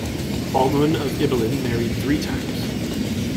Baldwin of Ibelin married three times.